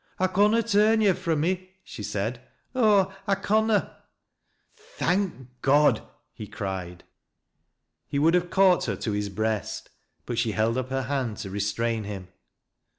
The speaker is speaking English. " I conna turn yo' fro' me," she said. ' Oh 1 1 conna !"« Thank God I Thank Godl " he cried. He would ha^e caught her to his breast, but she held ttp her hand to restrain him.